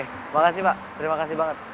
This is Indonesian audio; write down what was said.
terima kasih mbak terima kasih banget